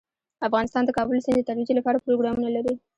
افغانستان د د کابل سیند د ترویج لپاره پروګرامونه لري.